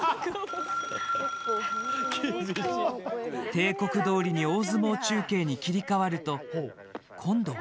定刻どおりに大相撲中継に切り替わると今度は。